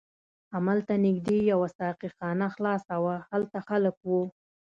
هملته نږدې یوه ساقي خانه خلاصه وه، هلته خلک و.